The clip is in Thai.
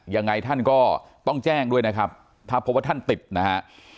ยังไงท่านก็ต้องแจ้งด้วยนะครับถ้าพบว่าท่านติดนะฮะ